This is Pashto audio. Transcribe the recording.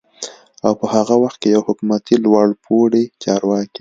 او په هغه وخت کې يوه حکومتي لوړپوړي چارواکي